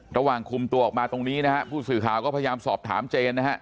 ระหว่างคุมตัวออกมาตรงนี้นะฮะผู้สื่อข่าวก็พยายามสอบถามเจนนะฮะ